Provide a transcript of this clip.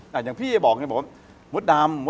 แต่มันมีความลับที่แปลกมากว่าทั้งคู่อ่ะ